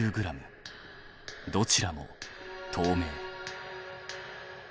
どちらも透明。